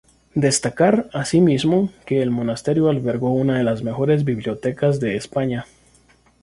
Destacar, así mismo, que el monasterio albergó una de las mejores bibliotecas de España.